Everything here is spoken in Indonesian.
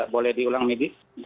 boleh diulang megi